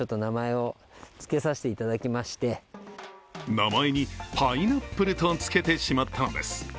名前にパイナップルとつけてしまったのです。